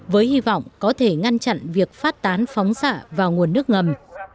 với hy vọng có thể ngăn chặn việc phát tán phóng xạ vào nguồn nước ngầm